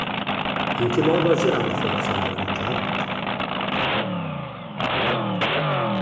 In che modo agirà la forza di gravità?